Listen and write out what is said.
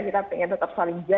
kita pengen tetap saling jajah